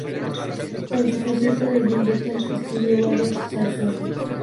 En su faceta de libretista, escribió varias zarzuela.